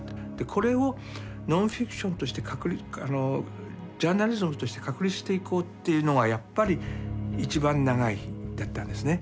これをノンフィクションとしてジャーナリズムとして確立していこうというのがやっぱり「いちばん長い日」だったんですね。